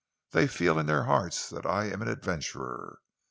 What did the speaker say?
They feel in their hearts that I am an adventurer.